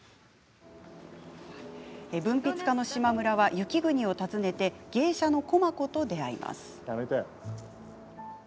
文筆家の島村は雪国を訪ねて芸者の駒子と出会います。